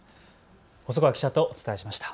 細川記者とお伝えしました。